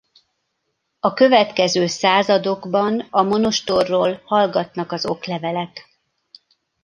A következő századokban a monostorról hallgatnak az oklevelek.